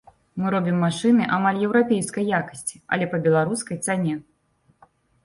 Мы робім машыны амаль еўрапейскай якасці, але па беларускай цане.